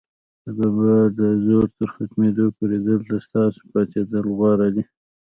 د بمبار د زور تر ختمېدو پورې، دلته ستاسو پاتېدل غوره دي.